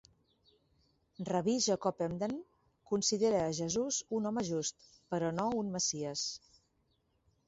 Rabí Jacob Emden considera a Jesús un home just, però no un Messies.